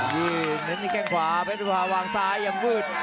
ยืนแล้วนี่แกล้งขวาเผ็ดพุรภาพวางซ้ายอย่างมืด